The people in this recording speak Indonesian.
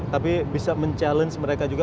tapi bisa mencabar mereka juga